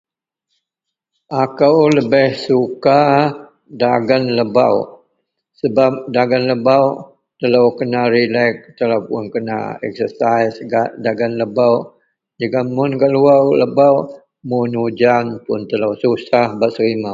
Akou lebeh suka dagen lebok sebab dagen lebok telou kena relex. Telou puun kena eksesais gak dagen lebok jegem mun gak luwer lebok, mun ujan puun telou susah bak serimoh